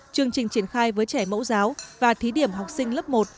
chương trình triển khai với trẻ mẫu giáo và thí điểm học sinh lớp một